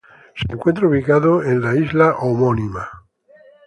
Se encuentra ubicado en la isla homónima.